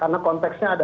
karena konteksnya ada